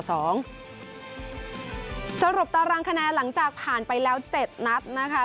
สรุปตารางคะแนนหลังจากผ่านไปแล้ว๗นัดนะคะ